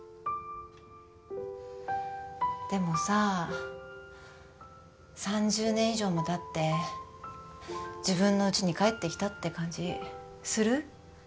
でもさ３０年以上もたって自分のうちに帰ってきたって感じする？